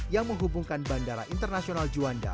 yang menghubungkan bandara internasional juanda